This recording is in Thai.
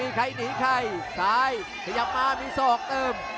มีใครหนีใครซ้ายขยับมามีศอกเติม